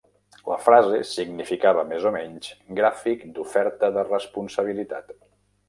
La frase significava més o menys "gràfic d'oferta de responsabilitat".